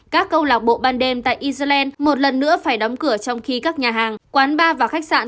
các câu lạc bộ ban đêm tại new zealand một lần nữa phải đóng cửa trong khi các nhà hàng quán bar và khách sạn